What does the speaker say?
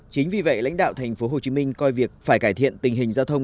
chính vì vậy lãnh đạo thành phố hồ chí minh coi việc phải cải thiện tình hình giao thông